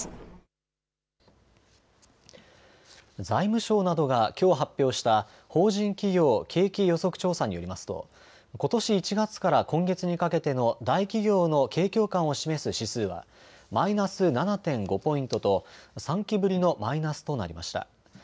財務省などがきょう発表した法人企業景気予測調査によりますとことし１月から今月にかけての大企業の景況感を示す指数はマイナス７．５ポイントと３期ぶりのマイナスとなりました。